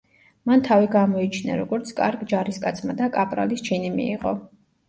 მან თავი გამოიჩინა, როგორც კარგ ჯარისკაცმა და კაპრალის ჩინი მიიღო.